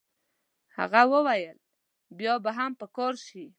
هغه وویل بیا به هم په کار شي.